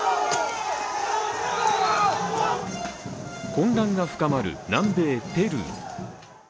混乱が深まる南米・ペルー。